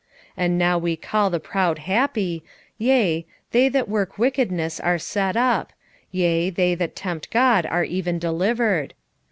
3:15 And now we call the proud happy; yea, they that work wickedness are set up; yea, they that tempt God are even delivered.